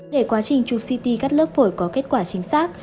để quá trình chụp ct các lớp phổi có kết quả chính xác